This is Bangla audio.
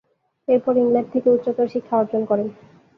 এরপর ইংল্যান্ড থেকে উচ্চতর শিক্ষা অর্জন করেন।